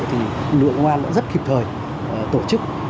thì lượng ngoan rất kịp thời tổ chức